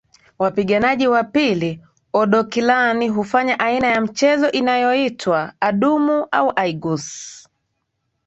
Wapiganaji wa pili Oodokilani hufanya aina ya mchezo inayoitwa adumu au aigus